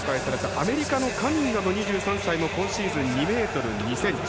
アメリカのカニンガム、２３歳も今シーズン、２ｍ２ｃｍ。